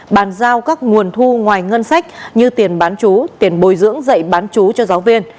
bàn giao các nguồn thu ngoài ngân sách như tiền bán chú tiền bồi dưỡng dạy bán chú cho giáo viên